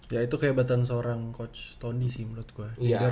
ya itu kehebatan seorang coach tony sih menurut gue